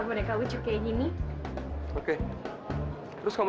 bungkus sebentar ya